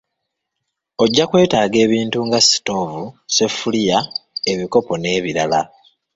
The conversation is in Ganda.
Ojja kwetaaga ebintu nga sitoovu, seffuluya, ebikopo n'ebirala.